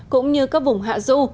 cũng như các vùng hạ dụ